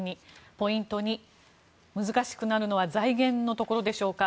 ポイント２、難しくなるのは財源のところでしょうか。